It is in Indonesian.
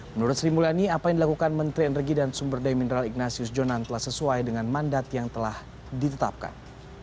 menurut sri mulyani apa yang dilakukan menteri energi dan sumber daya mineral ignatius jonan telah sesuai dengan mandat yang telah ditetapkan